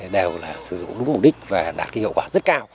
đều là sử dụng đúng mục đích và đạt cái hiệu quả rất cao